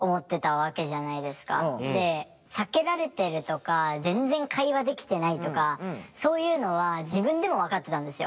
で避けられてるとか全然会話できてないとかそういうのは自分でも分かってたんですよ。